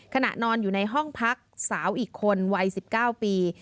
ขณะนอนอยู่ในห้องพักสาวอีกคนวัย๑๙ปี